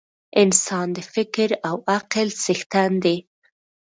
انسان د فکر او عقل څښتن دی.